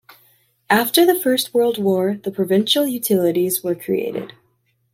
After the First World War, the provincial utilities were created.